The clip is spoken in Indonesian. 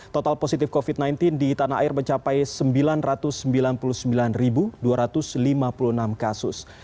total positif covid sembilan belas di tanah air mencapai sembilan ratus sembilan puluh sembilan dua ratus lima puluh enam kasus